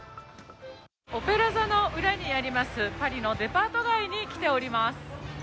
オペラ座の裏にあります、パリのデパート街に来ています。